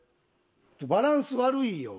バランス悪いよ。